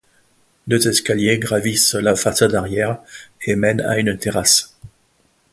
Deux escaliers gravissent la façade arrière et mènent à une terrasse.